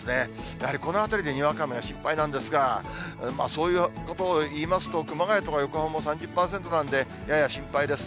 やはり、この辺りでにわか雨が心配なんですが、そういうことをいいますと、熊谷と横浜も３０％なんで、やや心配です。